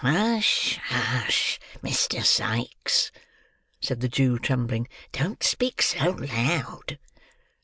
"Hush! hush! Mr. Sikes," said the Jew, trembling; "don't speak so loud!"